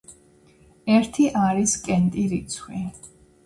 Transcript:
ერთი არის კენტი რიცხვი.